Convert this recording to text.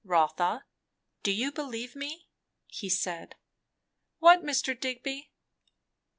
"Rotha you believe me?" he said. "What, Mr. Digby?"